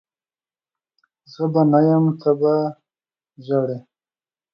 زه به نه یم ته به ژهړي